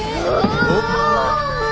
お！